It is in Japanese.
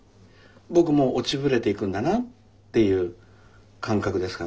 僕もう落ちぶれていくんだなっていう感覚ですかね。